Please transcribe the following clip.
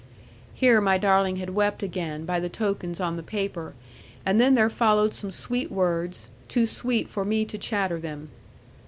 Here my darling had wept again, by the tokens on the paper; and then there followed some sweet words, too sweet for me to chatter them.